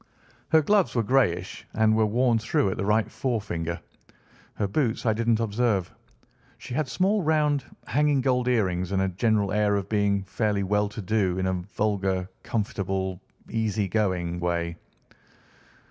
Her gloves were greyish and were worn through at the right forefinger. Her boots I didn't observe. She had small round, hanging gold earrings, and a general air of being fairly well to do in a vulgar, comfortable, easy going way."